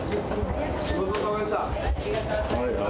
ごちそうさまでした！